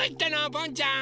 ボンちゃん。